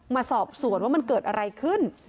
มาสอบสวนว่ามันเกิดอะไรขึ้น